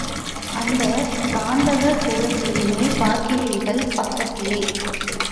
அந்தத் தாண்டவக் கோலத்தையுமே பார்க்கிறீர்கள் பக்கத்திலே.